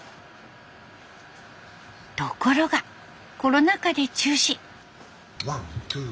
ところがコロナ禍で中止。